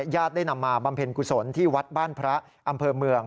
ได้นำมาบำเพ็ญกุศลที่วัดบ้านพระอำเภอเมือง